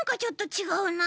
ちがうか。